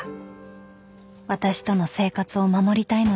［私との生活を守りたいのでしょうか？］